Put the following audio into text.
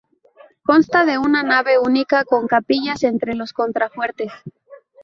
Consta de una nave única con capillas entre los contrafuertes.